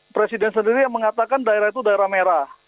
presiden sendiri yang mengatakan daerah itu daerah merah